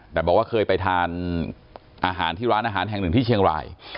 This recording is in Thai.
แต่บอกว่าเคยไปทานอาหารที่ร้านอาหารแห่งหนึ่งที่เชียงราย